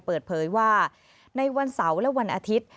เปิดเผยว่าในวันเสาร์และวันอาทิตย์